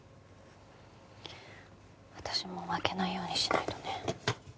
私も負けないようにしないとね。